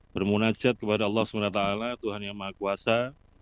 bermunajat kepada allah swt tuhan yang maha kuasa